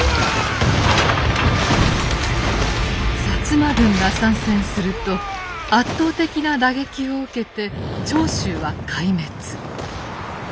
摩軍が参戦すると圧倒的な打撃を受けて長州は壊滅。